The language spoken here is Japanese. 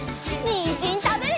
にんじんたべるよ！